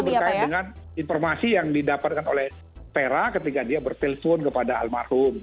mungkin itu berkait dengan informasi yang didapatkan oleh fera ketika dia berfilm phone kepada almarhum